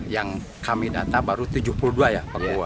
yang kami data baru tujuh puluh dua ya